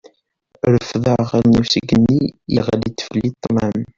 Refdeɣ allen-iw s igenni, yeɣli-d fell-i ṭlam.